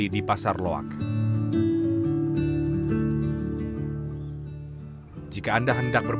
kursi kursi asia empowered